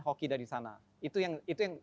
hoki dari sana itu yang itu yang